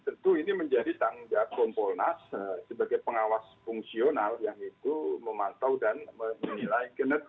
tentu ini menjadi tanggung jawab kompolnas sebagai pengawas fungsional yang itu memantau dan menilai kinerja